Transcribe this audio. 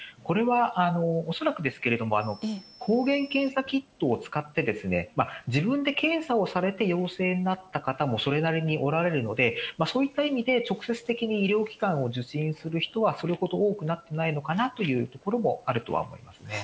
これは恐らくですけれども、抗原検査キットを使って、自分で検査をされて陽性になった方もそれなりにおられるので、そういった意味で、直接的に医療機関を受診する人は、それほど多くないのかなというところもあるとは思いますね。